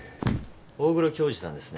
大黒恭二さんですね？